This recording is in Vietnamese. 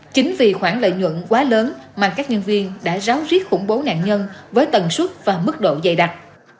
chính vì khoản lợi nhuận quá lớn mà các nhân viên đã ráo riết khủng bố nạn nhân với tần suất và mức độ dày đặc